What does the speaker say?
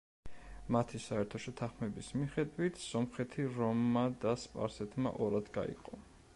მათი საერთო შეთანხმების მიხედვით სომხეთი რომმა და სპარსეთმა ორად გაიყო.